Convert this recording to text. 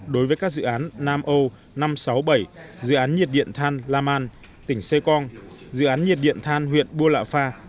đối với các dự án nam âu năm trăm sáu mươi bảy dự án nhiệt điện than la man tỉnh sê cong dự án nhiệt điện than huyện bua lạ pha